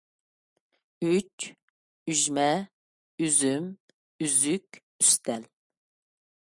ئۈچ، ئۈجمە، ئۈزۈم، ئۈزۈك، ئۈستەل.